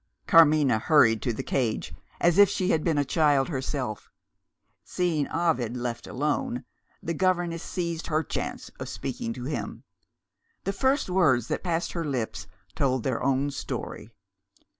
Carmina hurried to the cage as if she had been a child herself. Seeing Ovid left alone, the governess seized her chance of speaking to him. The first words that passed her lips told their own story.